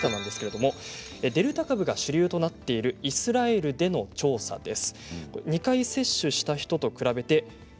デルタ株が主流となっているイスラエルでの調査です。